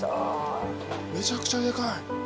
めちゃくちゃでかい。